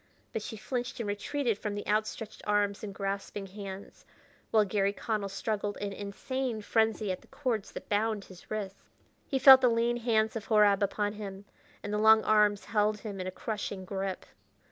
But she flinched and retreated from the outstretched arms and grasping hands, while Garry Connell struggled in insane frenzy at the cords that bound his wrists. He felt the lean hands of Horab upon him, and the long arms held him in a crushing grip.